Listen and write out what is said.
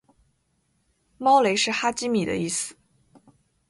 猫雷是哈基米的意思